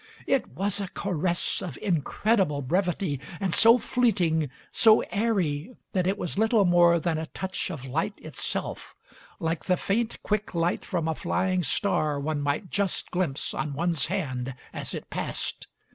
It was a caress of incredible brevity, and so fleeting, so airy, that it was little more than a touch of light itself, like the faint quick light from a flying star one might just glimpse on one's hand as it passed.